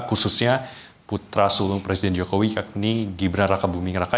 khususnya putra sulung presiden jokowi yakni gibran raka buming raka